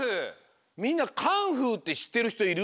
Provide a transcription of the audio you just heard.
みんなカンフーってしってるひといる？